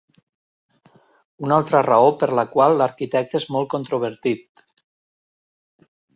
Una altra raó per la qual l'arquitecte és molt controvertit.